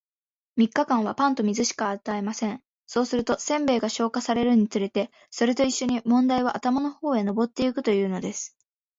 三日間は、パンと水しか与えません。そうすると、煎餅が消化されるにつれて、それと一しょに問題は頭の方へ上ってゆくというのです。